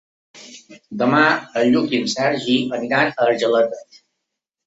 Demà en Lluc i en Sergi aniran a Argeleta.